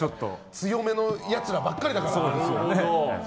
強めのやつらばっかりだから。